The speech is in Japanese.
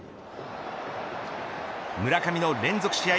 村上の連続試合